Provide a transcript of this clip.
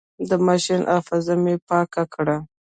د ماشين حافظه مې پاکه کړه.